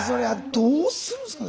どうするんですかね。